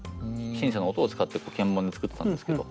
シンセの音を使って鍵盤で作ってたんですけど。